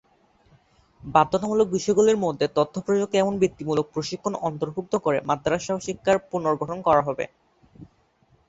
বাধ্যতামূলক বিষয়গুলির মধ্যে তথ্য প্রযুক্তি এবং বৃত্তিমূলক প্রশিক্ষণ অন্তর্ভুক্ত করে মাদ্রাসা শিক্ষার পুনর্গঠন করা হবে।